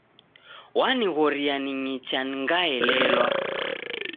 Wanighoria ningicha ngaelelwa